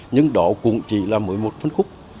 nhưng đó cũng chỉ là mỗi một phân khúc